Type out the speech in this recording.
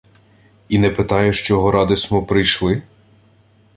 — І не питаєш, чого ради смо прийшли?